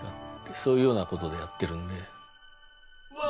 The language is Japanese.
そういうようなことでやってるんで。